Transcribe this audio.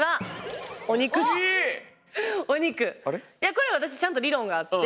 これ私ちゃんと理論があって。